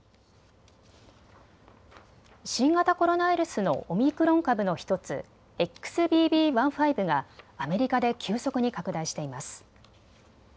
新型コロナウイルスのオミクロン株の１つ、ＸＢＢ．１．５がアメリカで急速に拡大しています。